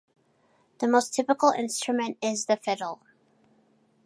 The most typical instrument is the fiddle.